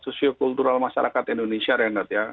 sosio kultural masyarakat indonesia renat ya